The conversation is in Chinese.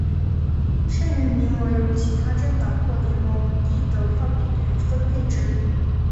剩余名额由其他政党或联盟依得票比率分配之。